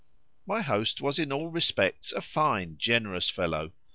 My host was in all respects a fine, generous fellow.